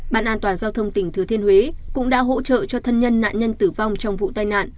bàn an toàn giao thông tỉnh thừa thiên huế cũng đã hỗ trợ cho thân nhân nạn nhân tử vong trong vụ tai nạn